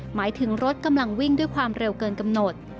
หมายถึงรถกำลังวิ่งด้วยความเร็วเกินกำหนด